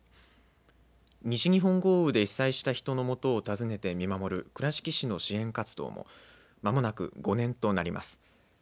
西日本豪雨で被災した人のもとを訪ねて見守る倉敷市の支援活動もまもなく５年となります。